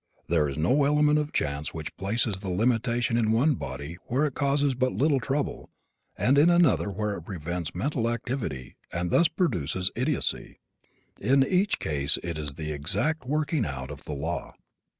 There is no element of chance which places the limitation in one body where it causes but little trouble and in another where it prevents mental activity and thus produces idiocy. In each case it is the exact working out of the law.